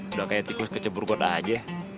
udah kayak tikus kecebur kota aja